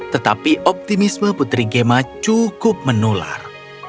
tetapi optimisme putri gemma cukup menular